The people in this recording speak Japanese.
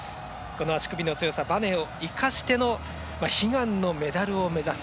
足首の強さ、ばねを生かしての悲願のメダルを目指す。